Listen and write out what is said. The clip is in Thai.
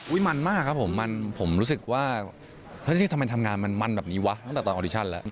มันมากครับผมมันผมรู้สึกว่าเฮ้ยทำไมทำงานมันแบบนี้วะตั้งแต่ตอนออดิชั่นแล้ว